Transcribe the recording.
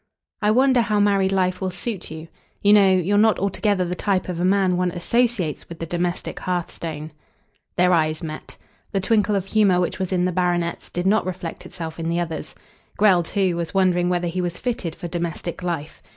"I wonder how married life will suit you. You know, you're not altogether the type of a man one associates with the domestic hearthstone." Their eyes met. The twinkle of humour which was in the baronet's did not reflect itself in the other's. Grell, too, was wondering whether he was fitted for domestic life.